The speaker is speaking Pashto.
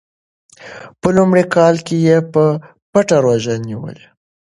په لومړي کال کې یې په پټه روژه نیوله.